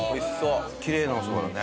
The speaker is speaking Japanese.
きれいなお蕎麦だね。